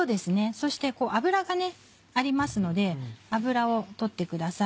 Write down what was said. そしてこう脂がありますので脂を取ってください。